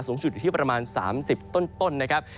สูงสุดอยู่ที่ประมาณ๓๐ต้นนะครับ